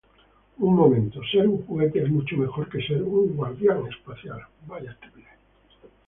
Un momento. Ser un juguete es mucho mejor que ser un guardián espacial.